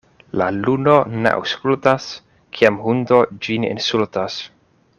La luno ne aŭskultas, kiam hundo ĝin insultas.